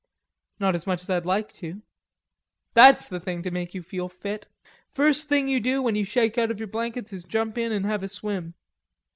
"Not so much as I'd like to." "That's the thing to make you feel fit. First thing you do when you shake out of your blankets is jump in an' have a swim.